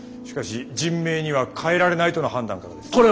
しかし人命には代えられないとの判断からです。